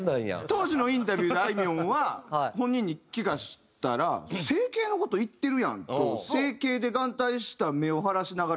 当時のインタビューであいみょんは「本人に聴かせたら“整形の事言ってるやん！”と整形で眼帯した目を腫らしながら言ってた」やから。